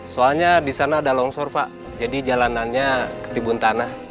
soalnya disana ada longsor pak jadi jalanannya ke tribun tanah